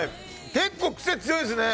結構、癖強いですね。